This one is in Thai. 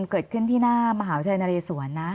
เกิดขึ้นที่หน้ามหาวชายนรีสวนนะ